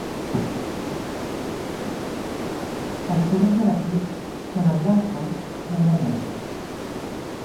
Els colors de l'equip són el blau fosc i el vermell.